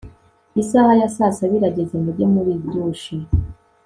isaha ya saa saba irageze mujye muridushe